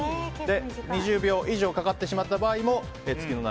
２０秒以上かかってしまった場合も月の涙